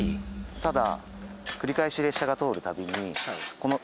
ただ。